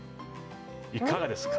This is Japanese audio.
いかがですか？